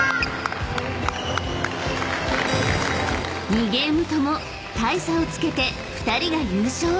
［２ゲームとも大差をつけて２人が優勝！］